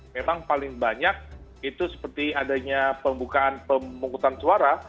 memang paling banyak itu seperti adanya pembukaan pemungkutan suara